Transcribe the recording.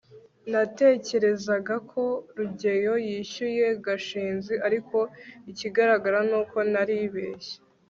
natekerezaga ko rugeyo yishyuye gashinzi, ariko ikigaragara nuko naribeshye